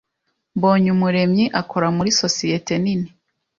Mbonyumuremyi akora muri sosiyete nini.